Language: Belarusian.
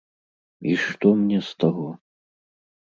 І што мне з таго?